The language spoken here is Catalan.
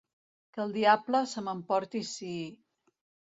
Que el diable se m'emporti si...